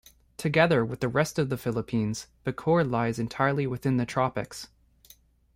Together with the rest of the Philippines, Bacoor lies entirely within the tropics.